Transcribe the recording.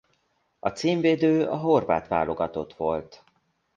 A címvédő a horvát válogatott volt.